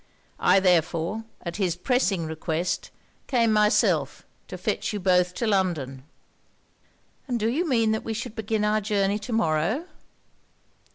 I therefore, at his pressing request, came myself to fetch you both to London.' 'And do you mean that we should begin our journey to morrow?'